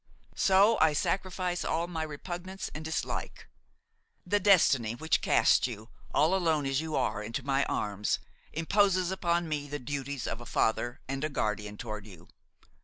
So I sacrifice all my repugnance and dislike. The destiny which casts you, all alone as you are, into my arms, imposes upon me the duties of a father and a guardian toward you.